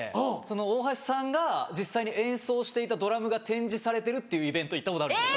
大橋さんが実際に演奏していたドラムが展示されてるっていうイベント行ったことあるんです。